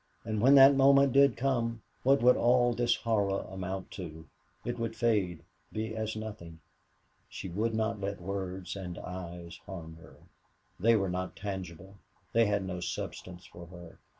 And when that moment did come what would all this horror amount to? It would fade be as nothing. She would not let words and eyes harm her. They were not tangible they had no substance for her.